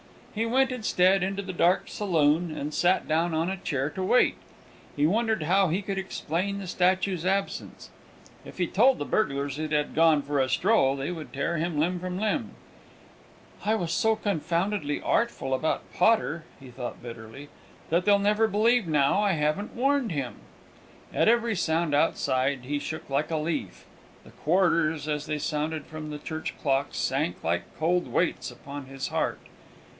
He went, instead, into the dark saloon, and sat down in a chair to wait. He wondered how he could explain the statue's absence. If he told the burglars it had gone for a stroll, they would tear him limb from limb. "I was so confoundedly artful about Potter," he thought bitterly, "that they'll never believe now I haven't warned him!" At every sound outside he shook like a leaf; the quarters, as they sounded from the church clock, sank like cold weights upon his heart.